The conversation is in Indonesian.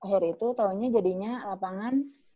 akhir itu taunya jadinya lapangan